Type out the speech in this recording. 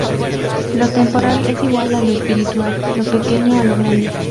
Lo temporal es igual a lo espiritual, lo pequeño a lo grande.